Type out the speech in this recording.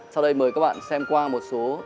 sau đây mời các bạn xem qua một số